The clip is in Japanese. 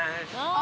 あ